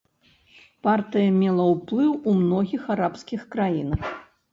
Партыя мела ўплыў у многіх арабскіх краінах.